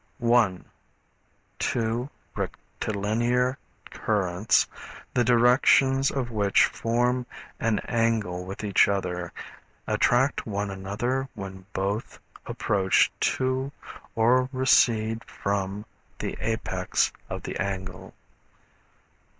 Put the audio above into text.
1. Two rectilinear currents, the directions of which form an angle with each other, attract one another when both approach to or recede from the apex of the angle.